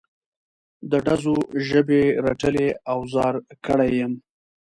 د ډزو ژبې رټلی او ازار کړی یم.